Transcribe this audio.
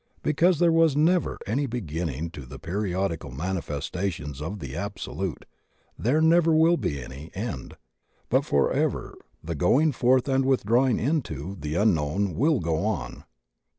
Be cause there was never any beginning to the periodical manifestations of the Absolute, there never will be any end, but forever the going forth and withdrawing into the Unknown will go on.